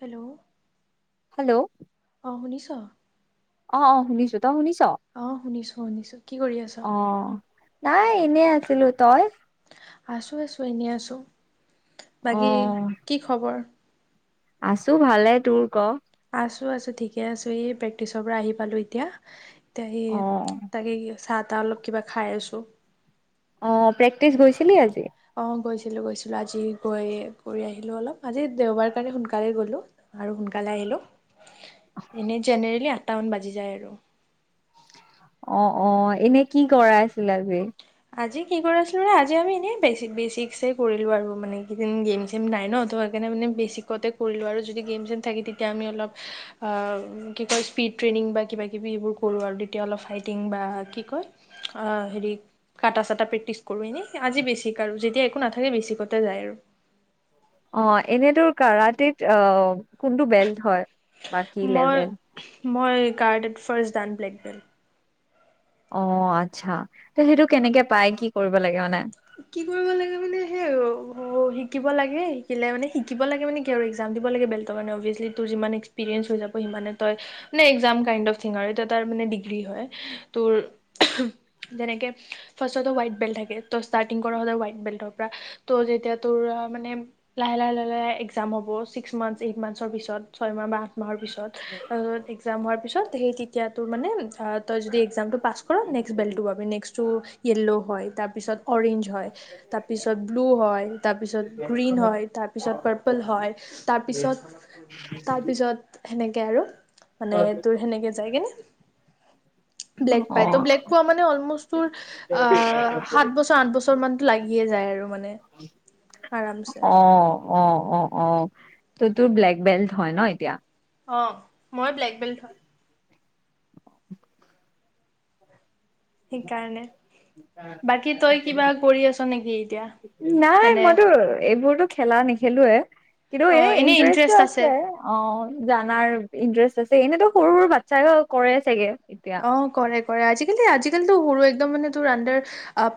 Hello? Hello অ' শুনিছ? অ' অ' শুনিছো, তই শুনিছ? অ' শুনিছো শুনিছো, কি কৰি আছ? অ নাই এনেই আছিলো, তই? আছোঁ আছোঁ এনেই আছোঁ, অ বাকী কি খবৰ? আছো ভালে, তোৰ ক? আছো আছো ঠিকে আছো, এই প্ৰেক্টিছৰ পৰা আহি পালো এতিয়া। তি আহি অ তাকে কি চাত টা অলপ কিবা খাই আছো। অ' প্ৰেক্টিচ গৈছিলি আজি? লো গৈছিলো আজি গৈ কৰি আহিলো অলপ, আজি দেওবাৰ কাৰণে সোনকালে গ'লো আৰু সোনকালে আহিলো। এনে জনেৰেলি ছটামান বাজি যায় আৰু, অ' অ' এনে কি কৰাই আছিল আজি? আজি কি কৰি আছিলোঁ মানে, আজি আমি এনেই বেচিক বেচিকছেই কৰিলোঁ আৰু, মানে কেইদিন গেম চেম নাই ন ত' সেইকাৰণে মানে বেচিকতে কৰিলোঁ আৰু যদি গেম চেম থাকে তেতিয়া আমি অলপ কি কয় স্পীড ট্ৰেইনিং বা কিবা কিবি এইবোৰ কৰোঁ আৰু তেতিয়া অলপ ফাইটিং বা কি কয় হেৰি কাটা চাটা প্ৰেক্টিচ কৰো এনেই আজি বেচিক আৰু যেতিয়া একো নাথাকে বেচিকতে যায় আৰু, অ' এনেই তোৰ কাৰটেত অ' কোনটো বেল্ট হয়, বা কি মই লেভেল? মই কাৰাটেত ফাৰ্ষ্ট ডান ব্লেক বেল্ট। অঁ আচ্ছা, ত' সেইটো কেনেকে পাই? কি কৰিব লাগে মানে? কি কৰিব লাগে মানে সেয়ে আৰু শিকিব লাগে শিকিলে মানে শিকিব লাগে মানে কি আৰু এক্জাম দিব লাগে বেল্টৰ কাৰণে অভিয়াচলি তোৰ যিমান এক্সপিৰিয়েঞ্চ হৈ যাব সিমানে তই মানে একজাম কাইণ্ড অফ থিঙ আৰু এতিয়া তাৰ মানে ডিগ্ৰী হয় তোৰ যেনেকে ফাৰ্ষ্টতটো হোৱাইট বেল্ট থাকে। ত' ষ্টাৰ্টিং কৰা হলে হোৱাইট বেল্টৰ পৰা ত' যেতিয়া তোৰ মানে লাহে লাহে লাহে লাহে এক্জাম হ'ব ছিক্স মান্থছ এইট মান্থছৰ পিছত ছয়মাহ বা আঠ মাহৰ পিছত এক্সাম হোৱাৰ পিছত সেই তেতিয়া তোৰ মানে তই যদি এক্সামটো পাছ কৰ নেক্সট বেলটো পাবি নেক্সটো য়েল্ল' হয় তাৰপিছত অৰেঞ্জ হয়, তাৰপিছত ব্লু হয়, তাৰপিছত গ্ৰীণ হয়, তাৰপিছত পাৰ্পল হয়, তাৰপিছত তাৰপিছত সেনেকে আৰু। মানে তোৰ সেনেকে যায়গে। ব্লেক অ পায় ত' ব্লেক পোৱা মানে অলমষ্ট তোৰ আহ সাত বছ আঠ বছৰ মানতো লাগিয়ে যায় আৰু মানে আৰামছে। অ অ অ অ ত' তোৰ ব্লেক বেল্ট হয় ন এতিয়া? অঁ, মই ব্লেক বেল্ট হয়। সেইকাৰণে বাকী তই কিবা কৰি আছ নেকি এতিয়া নাই মানে মইতো এইবোৰটো খেলা নে খেলুৱে। কিন্তু এ অ এনেই ইণ্টাৰেষ্টটো ইণ্টাৰেষ্ট আছে অঁ জানাৰ ইণ্টাৰেষ্ট। ছে এনেইতো সৰু সৰু বাচ্ছাইও কৰে চাগে? এতিয়া অঁ কৰে। কৰে আজিকালি আজিকালিটো সৰু একদম মানে তোৰ আন্দাৰ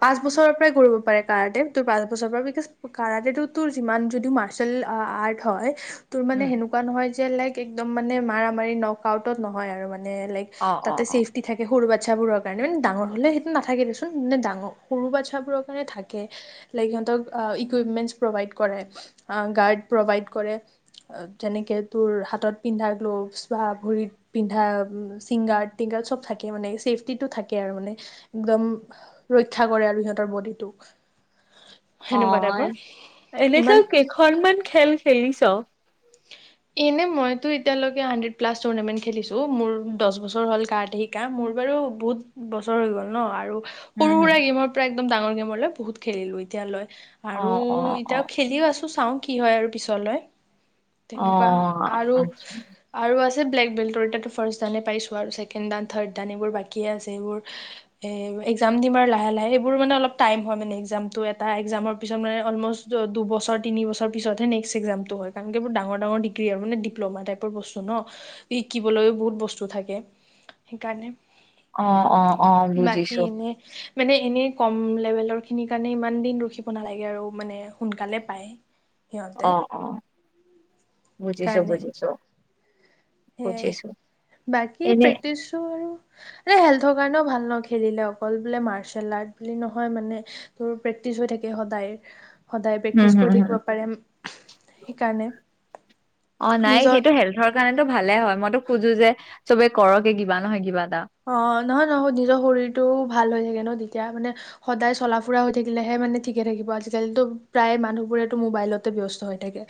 পাঁচ বছৰৰ পৰাই কৰিব পাৰে কাৰাটে তোৰ পাঁচ বছৰৰ পৰা বিকজ কাৰাটেটো তোৰ যিমান যদি মাৰ্চেল আৰ্ট হয় তোৰ মানে উম সেনেকুৱা নহয় যে লাইক একদম মানে মাৰা মাৰি নক আউটত নহয় আৰু মান মানে লাইক অ অ তাতে অ ছেফটি থাকে সৰু বা বাচ্ছাবোৰৰ কাৰণে মানে ডাঙৰ হ'লে সেইটো নাথাকে দেচোন মানে ডাঙ সৰু বাচ্ছাবোৰৰ কাৰণে থাকে, লাইক সিহঁতক ইকুইপমেণ্টছ প্ৰভাইড কৰে গাৰ্ড প্ৰভাইড কৰে। যেনেকৈ তোৰ হাতত পিন্ধা গ্ল'ভছ বা ভৰিত পিন্ধা ছিংগাৰ্ড। চব থাকে মানে চেফটিটো থাকে আৰু মানে এক্দম ৰক্ষা কৰে আৰু সিহঁতৰ বডিটোক। সেনেকুৱা অঁ, টাইপৰ এনেতো ইমান কেইখনমান খেল খেলিছ? এনেই মই টো সৰু সুৰা গেমৰ পৰা একদম উম হুম ডাঙৰ গেমলৈ বহুত খেলিলো এতিয়ালৈ। অ আৰু অ অ এতিয়া খেলিও আছো চাও। কি হয় আৰু পিছলৈ। অ তেনেকুৱা আৰু আচ্ছা আৰু আছ ব্লেক বেল্টৰ তাতো ফাৰ্ষ্ট দানে পাইছো আৰু ছেকেণ্ড দান, থাৰ্ড দান এইবোৰ বাকি আছে এইবোৰ একজাম দিম আৰু লাহে লাহে এইবোৰ মানে অলপ টাইম হয় মানে একজামটো এটা একজামৰ পিছত মানে অলমষ্ট দুবছৰ তিনি বছৰ পিছতহে নেক্স এক্জামটো হয় কাৰণ এইবোৰ ডাঙৰ ডাঙৰ ডিগ্ৰী আৰু মানে ডিপ্ল'মা টাইপৰ বস্তু ন? শিকিবলৈও বহুত বস্তু থাকে, সেইকাৰণে। অ অ অ বাকী বুজিছো এনে মানে এনেই কম লেভেলৰ খিনিৰ কাৰণে ইমান দিন ৰখিব নালাগে আৰু মানে সোনকালে পায় সিহঁতে অ অ বুজিছো বুজিছো সেইয়াই বুজিছো বাকী এনে প্ৰেক্টিছো আৰু এ হেল্থৰ কাৰণেও ভাল ন খেলিলে অকল বোলে মাৰ্চেল আৰ্ট বুলি নহয় মানে তোৰ প্ৰেক্টিচ হৈ থাকে সদায় সদায় হম প্ৰেক্টিচ হম কৰি হম থাকিব পাৰে সেইকাৰণে অ নাই নিজৰ সেইটো হেল্থৰ কাৰণেতো ভালে হয় মইতো খোজো যে চবে কৰকে কিবা নহয় কিবা এটা অ নহয় নহয় নিজৰ শৰীৰটোও ভাল হৈ থাকে ন তেতিয়া মানে সদায় চলা ফুৰা হৈ থাকিলেহে মানে ঠিকে থাকিব আজিকালিতো প্ৰায় মানুহবোৰেটো মোবাইলতে ব্যস্ত হৈ থাকে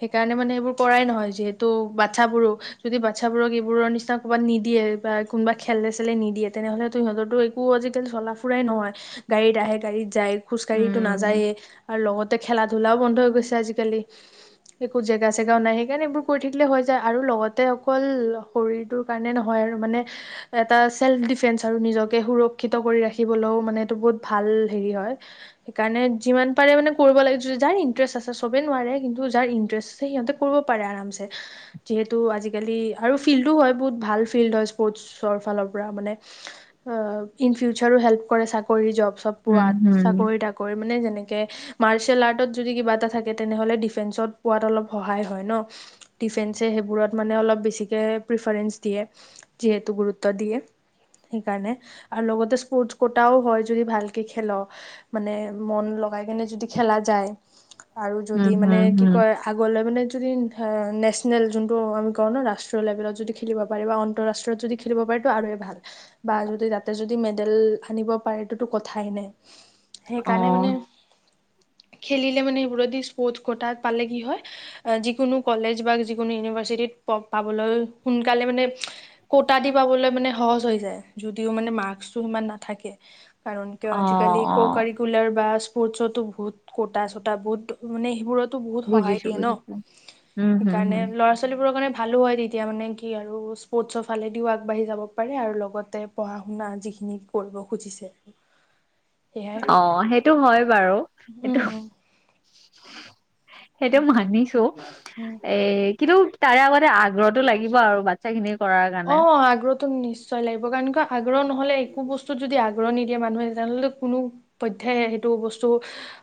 সেইকাৰণে মানে সেবোৰ কৰাই নহয় যিহেতু বাচ্ছাবোৰো যদি বাচ্ছাবোৰক এইবোৰৰ নিচিনা ক'বাত নিদিয়ে বা কোনোবা খেলে চেলে নিদিয়ে তেনেহলেতো সিহঁতৰো একো আজিকালি চলা ফুৰাই নহয় গাড়ীত আহে গাড়ীত যায় খোজকাাঢ়িতো উম নাযায়েই আৰু লগতে খেলা ধুলাও বন্ধ হৈ গৈছে আজিকালি একো জেগা চেগাও নাই সেইকাৰণে এইবোৰ কৰি থাকিলে হৈ যায় আৰু লগতে অকল শৰীৰটোৰ কাৰণে নহয় আৰু মানে এটা চেল্ফ ডিফেন্ঞ্চ আৰু নিজকে সুৰক্ষিত কৰি ৰাখিবলৈও মানে এইটো বহুত ভাল হেৰি হয় সেইকাৰণে যিমান পাৰে মানে কৰিব লাগে য যাৰ ইণ্টাৰেষ্ট আছে চবেই নোৱাৰে কিন্তু যাৰ ইণ্টাৰেষ্ট আছে সিহঁতে কৰিব পাৰে আৰামছে যিহেতু আজিকালি আৰু ফিল্ডো হয় বহুত ভাল ফিল্ড হয় স্পৰ্টচ ফালৰ পৰা মানে ইন ফিউচাৰো হেল্প কৰে চাকৰি জব চব উম, পোৱাত হুম, চাকৰি তাকৰি মানে যেনেক কে মাৰচেল আৰ্টত যদি কিবা এটা থাকে তেনেহলে ডিফেন্সত পোৱাত অলপ সহায় হয় ন ডিফেন্সে সেইবোৰত মানে অলপ বেছিকে প্ৰিফাৰেঞ্চ দিয়ে যিহেতু গুৰু গুৰুত্ব দিয়ে সেইকাৰণে আৰু লগতে স্পৰ্ট কটাও হয় যদি ভালকে খেল মানে মন লগাই কেনে যদি খেলা যায় আৰু হুম, যদি মানে হুম, কি হুম, কয় আগলৈ মানে যদি অ ধৰ নেচনেল যোনটো আমি কওঁ ন ৰাষ্ট্ৰীয় লেভেলত যদি খেলিব পাৰি বা আন্তঃৰাষ্ট্ৰীয়ত যদি খেলিব পাৰি ত আৰুয়ে ভাল বা যদি তাতে যদি মেদ তেল সানিব পাৰেটোত কথাই নাই সেইকাৰণে মানে অ', খেলিলে মানে সেইবোৰেদি স্পৰ্ট কতা পালে কি হয় যিকোনো কলেজ বা যিকোনো ইউনিভাৰ্চিটিত পব পাবলৈ সোনকালে মানে কত তা দি পাবলৈ মানে সহজ হৈ যায় যদিও মানে মাৰ্কটো সিমান নাথাকে কাৰণ কিয় অ', আজিকালি ক অ', কাৰিকুলাৰ বা স্কু স্পৰ্টচতো বৌহত কটা চটা বৌহত মানে সেইবোৰত বহুত সহায় বুজিছো, দিয়ে ন বুজিছো, উম, হুম, সেইকাৰণে হুম, ল'ৰা ছোৱালীবোৰৰ কাৰণে ভালো হয় তেতিয়া মানে কি আৰু স্পৰ্টচ ফালেদিও আগবাঢ়ি যাব পাৰে আৰু লগতে পঢ়া শুনা যিখিনি কৰিব খুজিছে সেয়াই অ সেইটো হয় বাৰু সেইটো উম উম সেইটো সেইকাৰণে মানিছো উম এ কিন্তু তাৰে আগতে আগ্ৰহটো লাগিব আৰু বাচ্ছা খিনি কৰাৰ অ কাৰণে [unintelligible] নিশ্চয় লাগিব কাৰণ আগ্ৰহ নহ'লে একো বস্তুত যদি আগ্ৰহ নিদিয়ে মানুহে তেনেহ'লে কোনো পধ্যেই সেইটো বস্তু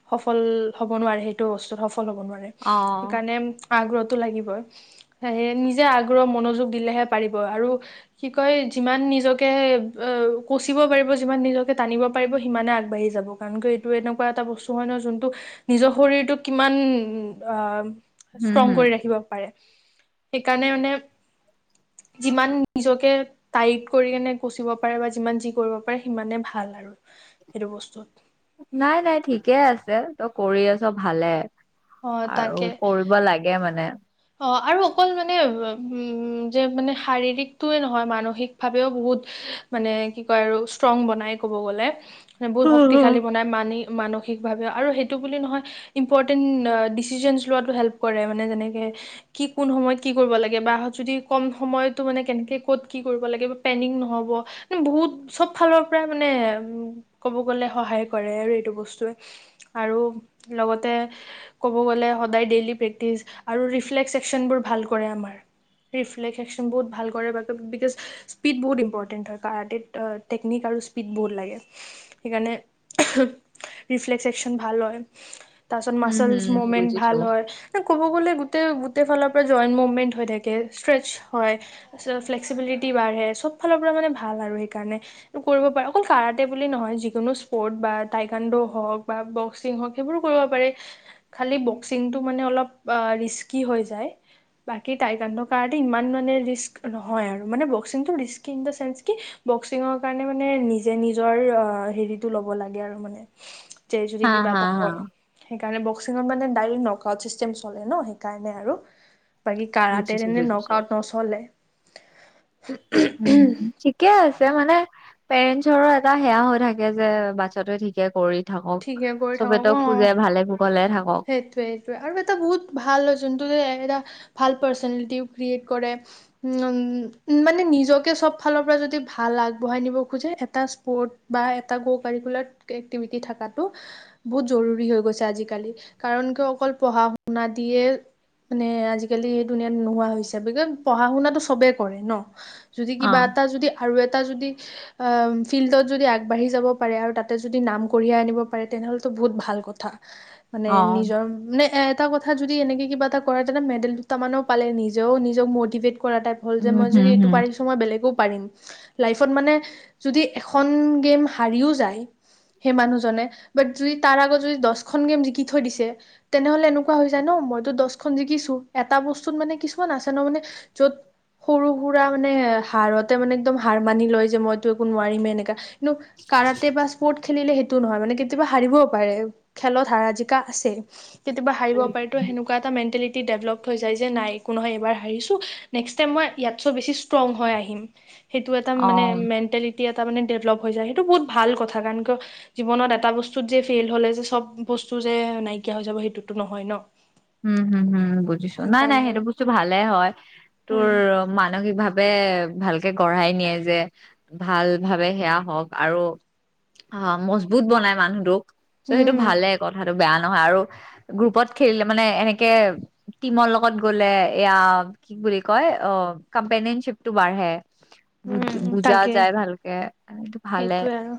সফল হ'ব নোৱাৰে সেইটো বস্তুত সফ ফল হ'ব নোৱাৰে অ', সেইকাৰণে আগ্ৰহটো লাগিবই সেয়ে নিজে আগ্ৰহ মনোযোগ দিলেহে পাৰিব আৰু কি কয় যিমান নিজকে কচিব পাৰিব যিমান নিজকে টানিব পাৰিব সিমানে আগবাঢ়ি যাব কাৰণ কি এইটো এনেকুৱা এটা বস্তু হয় ন যোনটো নিজৰ শৰীৰটোক কিমান আ হুম, ষ্ট্ৰং হুম, কৰি ৰাখিব পাৰে। সেইকাৰণে মানে যিমান নিজকে টাইট কৰি কেনে কুচিব পাৰে বা যিমান যি কৰিব পাৰে সিমানে ভাল আৰু সেইটো বস্তুত। নাই নাই ঠিকে আছে, তই কৰি আছ ভালে। অ আৰু তাকে কৰিব লাগে মানে। অ', আৰু অকল মানে, যে মানে শাৰীৰিকটোৱে নহয় মানসিকভাৱেও বহুত মানে কি কয় আৰু ষ্ট্ৰং বনাই ক'ব গ'লে বহুত উম, হুম, শক্তিশালী বনাই মানি মানসিকভাৱে আৰু সেইটো বুলি নহয় ইম্পৰ্টেণ্ট ডিচিশনছ লোৱাটো হেল্প কৰে মানে যেনেকে কি কোন সময়ত কি কৰিব লাগে বা যদি কম সময়তো মানে কেনেকে ক'ত কি কৰিব লাগে, পেনিক নহব, বহুত চব ফালৰ পৰা মানে কব গলে সহায় কৰে আৰু এইটো বস্তুৱে, আৰু লগতে কব গলে সদায় ডেইলি প্ৰেক্টিচ আৰু ৰিফ্লেক্স একশচনবোৰ ভাল কৰে আমাৰ, ৰিফ্লেক্স একশচনবোৰ বহুত ভাল কৰে বিকজ, স্পীড বহুত ইম্পৰ্টেণ্ট হয় কাৰাটেত, টেকনিক আৰু স্পীড বহুত লাগে। সেইকাৰণে ৰিফ্লেক্স [unintelligible] ভাল হয়। তাৰ পাছত হুম মাচলছ হুম মুভমেন্ট বুজিছো, ভাল হয়, ন ক'ব গ'লে গোটেই ফালৰ পৰা জইণ্ট মুভমেন্ট হৈ থাকে, ষ্ট্ৰেচ হয়, ফ্লেক্সিবিলিটি বাঢ়ে, চব ফালৰ পৰা মানে ভাল আৰু সেইকাৰণে, কৰিব পাৰে অকল কাৰাতে বুলি নহয়, যিকোনো স্পৰ্ট বা টাইকানণ্ডো হওক বা বক্সিং হওক সেইবোৰ কৰিব পাৰে, খালি বক্সিংটো মানে অলপ ৰিচ কি হৈ যায় বাকী তাইকাণ্ড, কাৰাটে ইমান মানে ৰিস্ক নহয় আৰু মানে, বক্সিংটো ৰিচকী ইন দা চেন্স কি বক্সিঙৰ কাৰণে মানে নিজে নিজৰ হেৰিটো ল'ব লাগে আৰু মানে যে যদি হা, কিবা হা, এটা হা, হয়, সেইকাৰ মানে বক্সিঙত মানে ডাইৰেক নকআউট চিষ্টেম চলে ন' সেই কাৰণে আৰু। বাকী কাৰাটেত বুজিছো, এনে বুজিছো। নকআউট নচলে। [unintelligible] উম, ঠিকে আছে মানে পেৰেন্টছৰো এটা সেয়া হৈ থাকে যে, বাচ্ছাটোৱে ঠিকে কৰি থাকক, ঠিকে কৰি থাকক চবেতো অ খোজে ভালে কুশলে থা সেইটোৱে সেইটোৱে, আৰু এটা বহুত ভাল যোনটো যে ভাল পাৰ্চনেলিটি ক্ৰিয়েত কৰে। মানে নিজকে চব ফালৰ পৰা যদি ভাল আগবঢ়াই নিব খোজে, এটা স্পৰ্ত বা এটা ক-কাৰিকুলৰ এক্টিভিতী থকাটো বহুত জৰুৰী হৈ গৈছে আজি কালি। কাৰণ কিয় অকল পঢ়া শুনা দিয়ে মানে আজিকালি এইেই দুুনীয়াাত নোহোৱা হৈছে, পঢ়া শুনাাতো চবেই কৰে ন যদি কিবা অ', এটা যদি আৰু এ এটা যদি আহ ফিল্ডত যদি আগবাঢ়ি যাব পাৰে, আৰু তাতে যদি নাম কঢ়িয়াই আনিব পাৰে, তেনেহ'লেটো বহুত ভাল কথা। মানে অ'। নিজৰ মানে এ এটা কথা যদি এনেকৈ কিবা এটা কৰে তেনে মেডেল দুটামানেো পালে নিজেও নিজক মটিভেট কৰা টাইপ হ'ল যে উম, মই হুম, যদি এইটো হুম, পাৰিছো মই বেলেগো পাৰিম থৈ দিছে তেনেহলে এনেকুৱা হৈ যায় ন মইতো দহখন জিকিছো এটা বস্তুত মানে কিছুমান আছে ন মানে য'ত সৰু সুৰা মানে হাাৰতে মানে একদম হাৰ মানি লয় যে মইতো একো নোৱাৰিমে এনেকা ন কাৰাতে পছপোৰ্ট খেলিলে সেইটো নহয় মানে কেতিয়া হাৰিবও পাৰে খেলত হাৰা জি কা আছে কেতিাবা হাৰিব পাৰিতো সেনেকুৱা এটা মণ্টেলিটী ডেভলপ হৈ যায় যে নাই একো নহয় এইবাৰ হাৰিছো নেক্স টাইম মই ইয়াত চ বেছি ষ্ট্ৰং হৈ আহিম সেইটো এটা মানে অ', মেণ্টেলেটী স ভাল কথা ক জত এটা বস্তুত যে ফেই হলে যেব বু যে নাইকিয়া হৈ যাব সেইটোতো নহয় ন উম হুম হুম বুজিছো নাই নাই সেইটো বস্তু ভালে হয় তোৰ উম মানসিক ভাৱ ভালকে গঢ়াই নিয়ে যে ভাল ভাবেতসেয়া হওক আৰু অ মজবুত বনাই মানুহটোক চ সেইটো উম ভালে কথাটো বেয়া নহয় আৰু গ্ৰুপত মানে এনেকে টিমৰ লগত গলে এয়া কি বুলি কয় অ কম্পেনিয়নশ্বিপ টো বাঢ়ে বুজ উম বুজা তাকে যায় ভালকে এইটো ভালে সেইটোে আৰু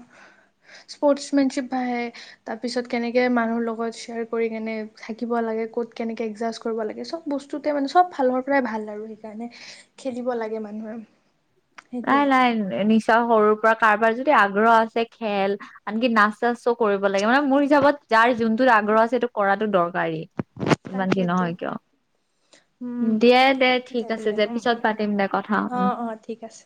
স্প'ৰ্টছ মেনশিপ তাৰপিছত কেনেকে মানুহৰ লগত শ্বেয়াৰ কৰি কেনে থাকিব লাগে ক'ত কেনেকে এডজাষ্ট কৰিব লাগে সব বস্তুতে মানে সব ফালৰ পৰাই ভাল আৰু সেইকাৰণে খেলিব লাগে মানুহে নাই সেইটোৱে। নাই ন নিশ্চয় সৰুৰ পৰা কাৰোবাৰ যদি আগ্ৰহ আছে খেল আনকি নাচ চাচো কৰিব লাগে মানে মোৰ হিচাপত যাৰ যোনটো আগ্ৰহ আছে সেইটো কৰা [unintelligible] গাড়ী ইমান দি তাকেতো নহয় কিয় উম দে দে ঠিক আছে দে পিছত পাতিম দে কথা অ উম অ ঠিক আছে।